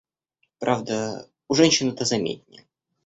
Правда у женщин это заметнее.